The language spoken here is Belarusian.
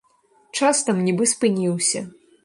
Час там нібы спыніўся.